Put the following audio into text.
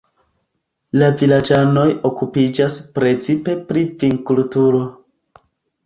La vilaĝanoj okupiĝas precipe pri vinkulturo.